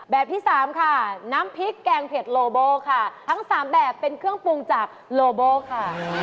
แบบที่สามค่ะน้ำพริกแกงเผ็ดโลโบค่ะทั้งสามแบบเป็นเครื่องปรุงจากโลโบค่ะ